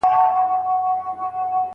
پخوانيو ميندو د لوڼو نظر نه اورېدی.